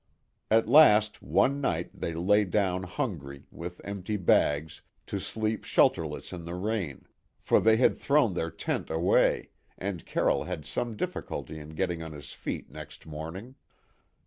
At last one night they lay down hungry, with empty bags, to sleep shelterless in the rain, for they had thrown their tent away; and Carroll had some difficulty in getting on his feet next morning.